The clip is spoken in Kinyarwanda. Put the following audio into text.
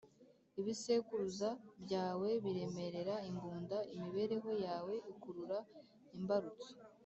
ibisekuruza byawe biremerera imbunda. imibereho yawe ikurura imbarutso.